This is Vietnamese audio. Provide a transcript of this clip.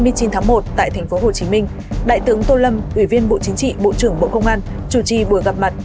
ngày chín tháng một tại tp hcm đại tướng tô lâm ủy viên bộ chính trị bộ trưởng bộ công an chủ trì buổi gặp mặt